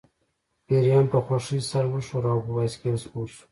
پیریان په خوښۍ سر وښوراوه او په بایسکل سپور شو